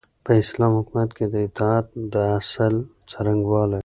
په اسلامي حکومت کي د اطاعت د اصل څرنګوالی